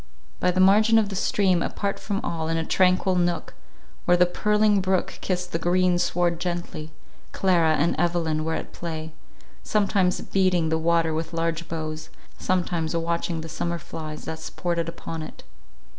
By the margin of the stream, apart from all, in a tranquil nook, where the purling brook kissed the green sward gently, Clara and Evelyn were at play, sometimes beating the water with large boughs, sometimes watching the summer flies that sported upon it.